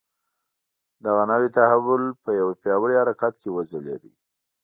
دغه نوی تحول په یوه پیاوړي حرکت کې وځلېد.